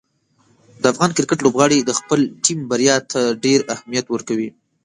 د افغان کرکټ لوبغاړي د خپلې ټیم بریا ته ډېر اهمیت ورکوي.